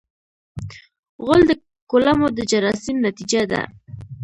غول د کولمو د جراثیم نتیجه ده.